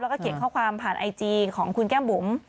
แล้วก็เขียนข้อความผ่านไอจีของคุณแก้มบุ๋ม